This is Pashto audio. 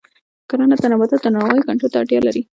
کرنه د نباتاتو د ناروغیو کنټرول ته اړتیا لري.